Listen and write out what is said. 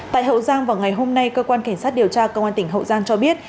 tại hậu giang vào ngày hôm nay cơ quan cảnh sát điều tra công an tỉnh hậu giang cho biết